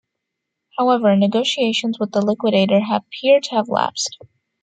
However, negotiations with the liquidator appear to have lapsed.